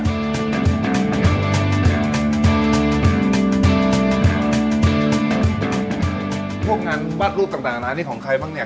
พวกงานวาดรูปต่างร้านนี้ของใครบ้างเนี่ย